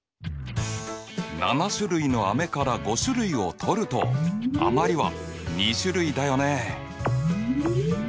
７種類のあめから５種類をとると余りは２種類だよね。